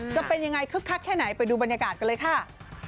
จะเป็นยังไงคึกคักแค่ไหนไปดูบรรยากาศกันเลยค่ะ